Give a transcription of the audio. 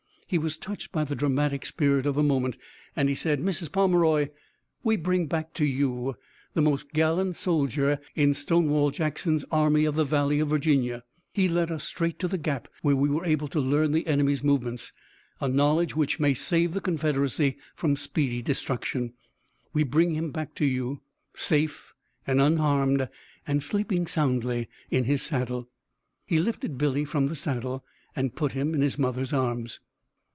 He was touched by the dramatic spirit of the moment, and he said: "Mrs. Pomeroy, we bring back to you the most gallant soldier in Stonewall Jackson's army of the Valley of Virginia. He led us straight to the Gap where we were able to learn the enemy's movements, a knowledge which may save the Confederacy from speedy destruction. We bring him back to you, safe and unharmed, and sleeping soundly in his saddle." He lifted Billy from the saddle and put him in his mother's arms.